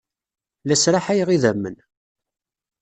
La sraḥayeɣ idammen.